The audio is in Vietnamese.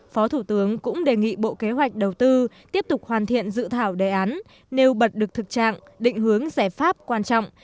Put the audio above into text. phó thủ tướng cũng đề nghị bộ kế hoạch đầu tư tiếp tục hoàn thiện dự thảo đề án nêu bật được thực trạng định hướng giải pháp quan trọng